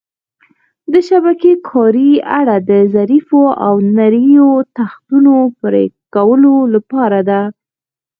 د شبکې کارۍ اره د ظریفو او نریو تختو پرېکولو لپاره ده.